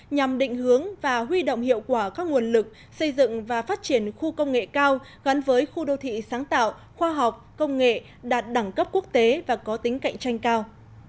nhằm định hướng và huy động hiệu quả các nguồn lực xây dựng và phát triển khu công nghệ cao gắn với khu đô thị sáng tạo khoa học công nghệ đạt đẳng cấp quốc tế và có tính cạnh tranh cao